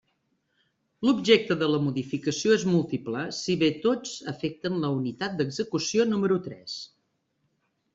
L'objecte de la modificació és múltiple, si bé tots afecten la unitat d'execució número tres.